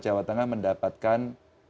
jawa tengah mendapatkan